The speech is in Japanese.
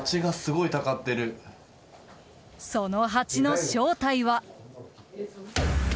そのハチの正体は。